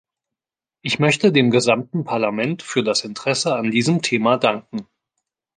Ich möchte dem gesamten Parlament für das Interesse an diesem Thema danken.